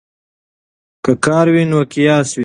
که کار وي نو قیاس وي.